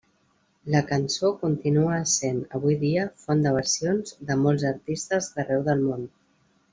La cançó continua essent avui dia font de versions de molts artistes d'arreu del món.